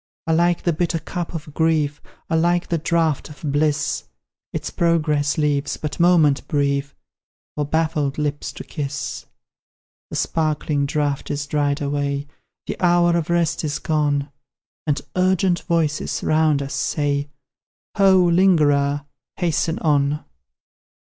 Alike the bitter cup of grief, Alike the draught of bliss, Its progress leaves but moment brief For baffled lips to kiss The sparkling draught is dried away, The hour of rest is gone, And urgent voices, round us, say, "Ho, lingerer, hasten on!"